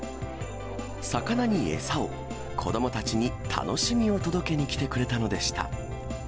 魚に餌を、子どもたちに楽しみを届けに来てくれたのでした。